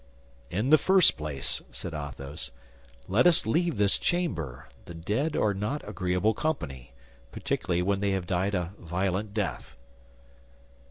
"In the first place," said Athos, "let us leave this chamber; the dead are not agreeable company, particularly when they have died a violent death."